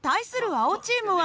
青チームは。